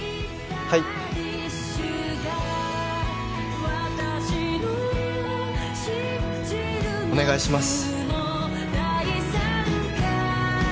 はいお願いします